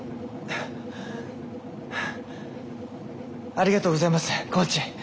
ありがとうございますコーチ！